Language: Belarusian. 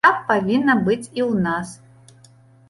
Так павінна быць і ў нас.